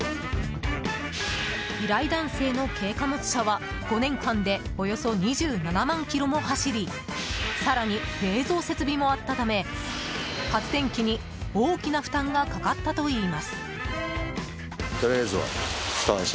依頼男性の軽貨物車は５年間でおよそ２７万ｋｍも走り更に、冷蔵設備もあったため発電機に大きな負担がかかったといいます。